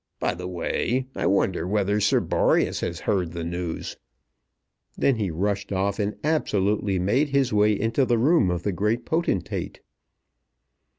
By the way, I wonder whether Sir Boreas has heard the news." Then he rushed off, and absolutely made his way into the room of the great potentate.